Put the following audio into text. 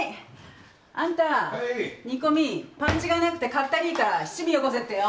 あんた、煮込み、パンチがなくてかったりーから七味よこせってよ！